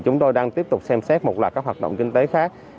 chúng tôi đang tiếp tục xem xét một loạt các hoạt động kinh tế khác